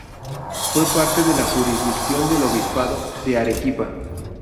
Fue parte de la jurisdicción del obispado de Arequipa.